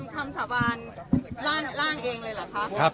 ครับครับ